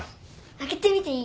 開けてみていい？